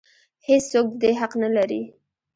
هېڅ څوک د دې حق نه لري.